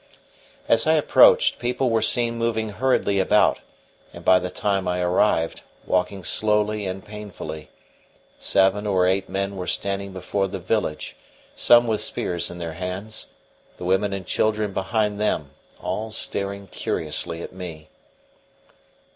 As I approached, people were seen moving hurriedly about; and by the time I arrived, walking slowly and painfully, seven or eight men were standing before the village' some with spears in their hands, the women and children behind them, all staring curiously at me.